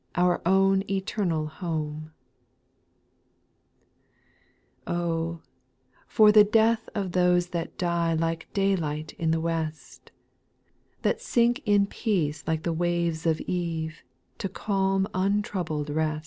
Our own eternal home I 4. Oh I for the death of those that die Like daylight in the west — That sink in peace like the waves of eve, To calm untroubled rest.